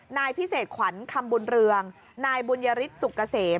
นายพิเศษขวัญคำบุญเรืองนายบุญยฤทธิสุกเกษม